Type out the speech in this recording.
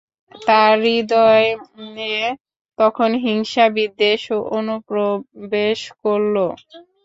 তার হৃদয়ে তখন হিংসা-বিদ্বেষ অনুপ্রবেশ করল।